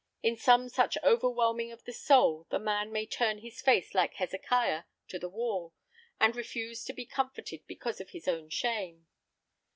In some such overwhelming of the soul the man may turn his face like Hezekiah to the wall, and refuse to be comforted because of his own shame.